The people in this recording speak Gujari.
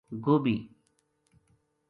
گوبھی